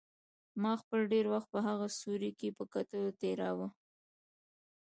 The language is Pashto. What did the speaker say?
ما خپل ډېر وخت په هغه سوري کې په کتلو تېراوه.